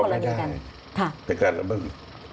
ไม่ได้แต่ก็แบบบึง